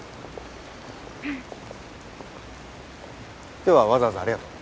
今日はわざわざありがとう。